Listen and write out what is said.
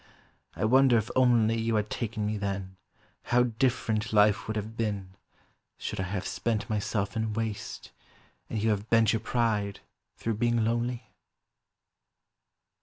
I wonder if only You had taken me then, how different Life would have been: should I have spent Myself in waste, and you have bent Your pride, through being lonely?